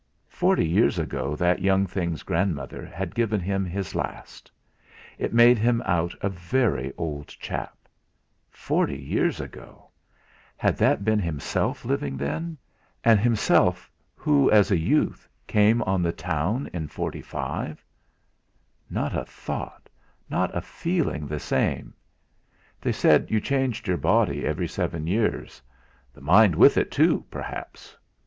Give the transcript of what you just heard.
Forty years ago that young thing's grandmother had given him his last. It made him out a very old chap! Forty years ago! Had that been himself living then? And himself, who, as a youth came on the town in 'forty five? Not a thought, not a feeling the same! They said you changed your body every seven years. The mind with it, too, perhaps!